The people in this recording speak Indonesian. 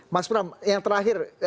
mas pram yang terakhir